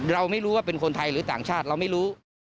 เราไม่รู้ว่าเป็นคนไทยหรือต่างชาติเราไม่รู้